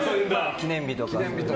記念日とか。